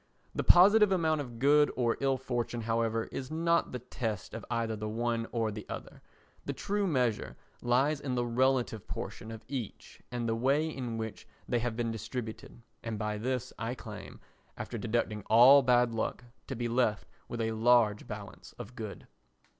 The positive amount of good or ill fortune, however, is not the test of either the one or the other; the true measure lies in the relative proportion of each and the way in which they have been distributed, and by this I claim, after deducting all bad luck, to be left with a large balance of good.